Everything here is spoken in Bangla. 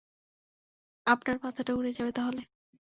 আপনার মাথাটা উড়ে যাবে তাহলে।